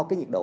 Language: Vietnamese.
cái nhiệt độ